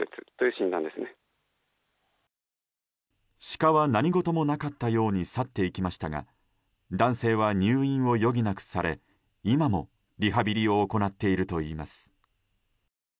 シカは何事もなかったように去っていきましたが男性は入院を余儀なくされ今もリハビリを行っているといいます。